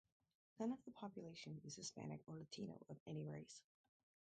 None of the population is Hispanic or Latino of any race.